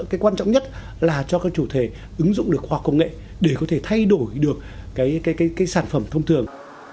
cái quan trọng nhất là cho các chủ thể ứng dụng được khoa học công nghệ để có thể thay đổi được sản phẩm thông thường